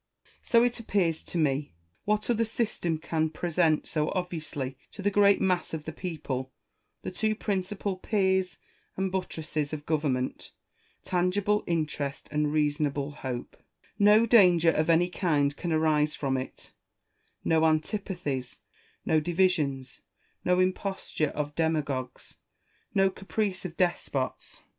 So it appears to me. What other system can present so obviously to the great mass of the people the two principal piers and buttresses of government, tangible interest and reasonable hope 1 No danger of any kind can arise from it, no antipathies, no divisions, no imposture of demagogues, no caprice of despots.